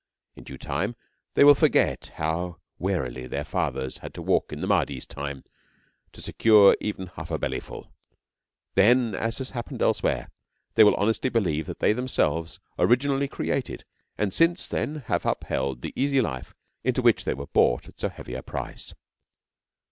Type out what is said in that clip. In due time, they will forget how warily their fathers had to walk in the Mahdi's time to secure even half a bellyful; then, as has happened elsewhere. They will honestly believe that they themselves originally created and since then have upheld the easy life into which they were bought at so heavy a price.